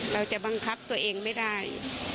เราจะบังคับตัวเองไม่ได้